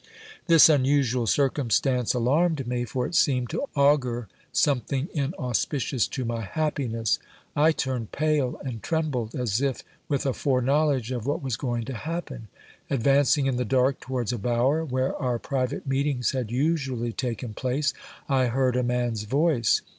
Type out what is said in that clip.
This unusual circumstance alarmed me ; for it seemed to augur something inauspi cious to my happiness : I turned pale and trembled, as if with a foreknowledge of what was going to happen. Advancing in the dark towards a bower, where our private meetings had usually taken place, I heard a man's voice.